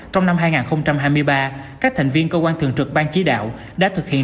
trong năm hai nghìn hai mươi ba các thành viên cơ quan thường trực ban chí đạo đã thực hiện